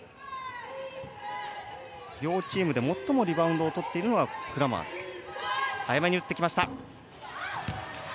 両チームで最もリバウンドをとっているのがクラーマーです。